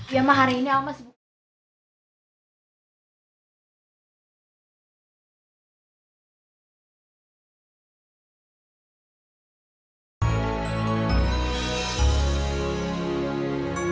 ya ma hari ini alma sibuk